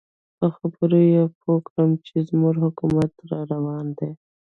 په خبرو کې یې پوه کړم چې زموږ حکومت را روان دی.